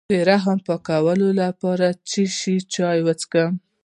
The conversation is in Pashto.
د رحم د پاکوالي لپاره د څه شي چای وڅښم؟